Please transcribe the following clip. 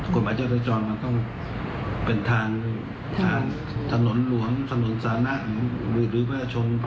กฎหมายจราจรมันต้องเป็นทางถนนหลวงถนนสานะหรือว่าชน